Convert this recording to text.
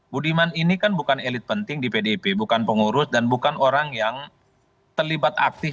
budiman ini kan bukan elit penting di pdip bukan pengurus dan bukan orang yang terlibat aktif